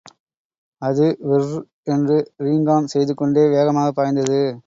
அது விர்ர்ர் என்று ரீங்காம் செய்துகொண்டே வேகமாகப் பாய்ந்தது.